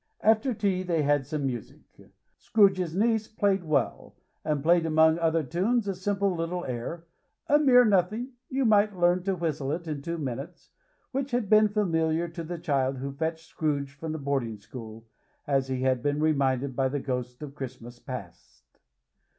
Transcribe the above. After tea they had some music, Scrooge's niece played well; and played among other tunes a simple little air (a mere nothing: you might learn to whistle it in two minutes), which had been familiar to the child who fetched Scrooge from the boarding school, as he had been reminded by the Ghost of Christmas Past.